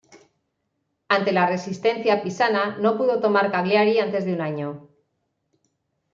Ante la resistencia pisana no pudo tomar Cagliari antes de un año.